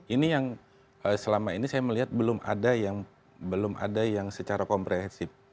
ini yang selama ini saya melihat belum ada yang secara komprehensif